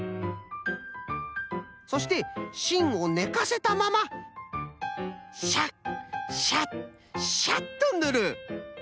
そしてしんをねかせたままシャッシャッシャッとぬる。